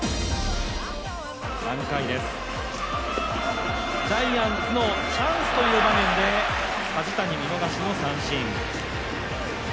３回です、ジャイアンツのチャンスという場面で梶谷、見逃しの三振。